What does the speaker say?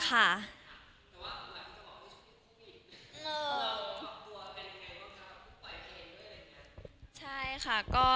กลัวว่ากลัวเป็นยังไงบ้างครับ